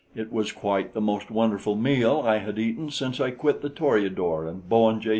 It was quite the most wonderful meal I had eaten since I quit the Toreador and Bowen J.